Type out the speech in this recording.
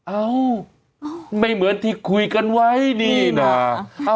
เอ้าไม่เหมือนที่คุยกันไว้นี่นะ